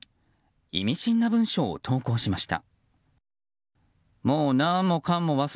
意味深な文章を投稿しました。